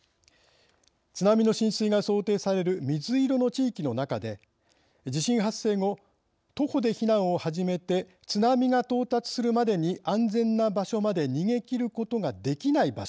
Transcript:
津波の浸水が想定される水色の地域の中で地震発生後徒歩で避難を始めて津波が到達するまでに安全な場所まで逃げ切ることができない場所。